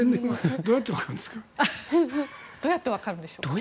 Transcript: どうやってわかるんでしょう。